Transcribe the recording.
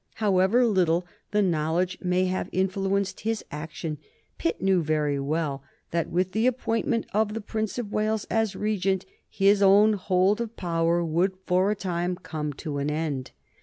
However little the knowledge may have influenced his action, Pitt knew very well that with the appointment of the Prince of Wales as regent his own hold of power would, for a time, come to an end.